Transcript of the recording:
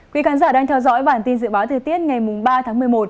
quý khán giả đang theo dõi bản tin dự báo thời tiết ngày ba tháng một mươi một